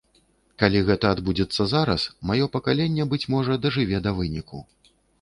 Калі гэта адбудзецца зараз, маё пакаленне, быць можа, дажыве да выніку.